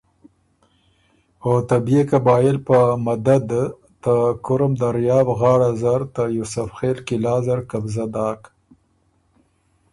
او ته بيې قبائل په مدد ته کُرم دریاب غاړه زر ته یوسف خېل قلعه زر قبضۀ داک